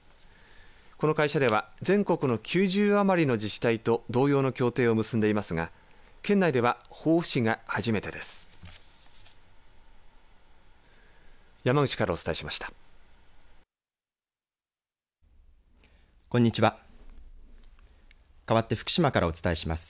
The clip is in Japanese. この会社では全国の９０余りの自治体と同様の協定を結んでいますが県内では防府市が初めてです。